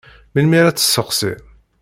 Melmi ara tt-tesseqsim?